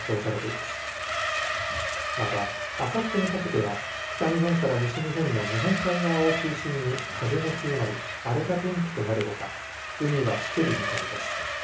またあさってにかけては、北日本から西日本の日本海側を中心に風も強まり、荒れた天気となるほか、海はしける見込みです。